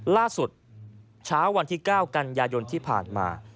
ล่าสุดเช้าวันที่๙กันยายนที่ผ่านมา